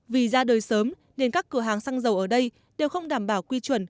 vì ra đời sớm nên các cửa hàng xăng dầu ở đây đều không đảm bảo quy chuẩn